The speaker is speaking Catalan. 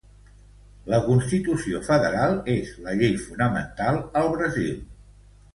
La Constitució Federal és la Llei Fonamental al Brasil.